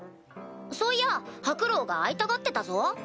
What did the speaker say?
そういやハクロウが会いたがってたぞ。